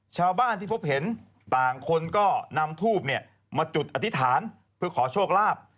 ชาวบ้านที่พบเห็นต่างคนก็นำทูบมาจุดอธิษฐานเพื่อขอโชคลาภ